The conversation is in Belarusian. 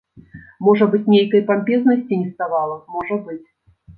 Можа быць нейкай пампезнасці неставала, можа быць.